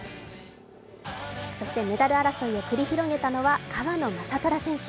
そしてメダル争いを繰り広げたのは川野将虎選手。